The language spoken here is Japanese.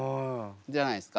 じゃないですか？